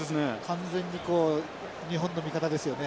完全にこう日本の味方ですよね。